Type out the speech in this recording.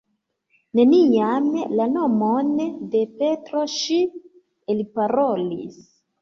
Neniam la nomon de Petro ŝi elparolis.